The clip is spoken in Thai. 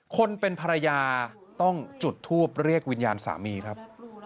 คนเป็นภรรยาต้องจุดทูปเรียกวิญญาณสามีครับ